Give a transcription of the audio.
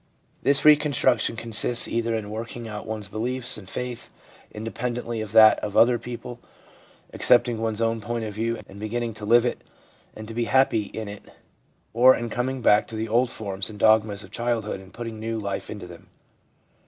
This reconstruction consists either in working out one's belief and faith independently of that of other people, accepting one's own point of view and beginning to live it and to be happy in it. or in coming back to the old forms and dogmas of childhood and putting new life into them.